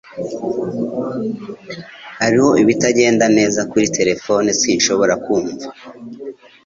Hariho ibitagenda neza kuri terefone Sinshobora kukumva